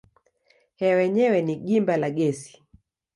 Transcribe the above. Hewa yenyewe ni gimba la gesi.